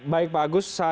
baik pak agus